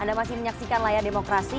anda masih menyaksikan layar demokrasi